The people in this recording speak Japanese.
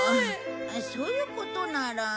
そういうことなら。